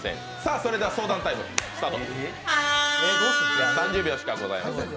それでは相談タイム、スタート。